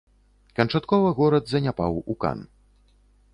Канчаткова горад заняпаў у кан.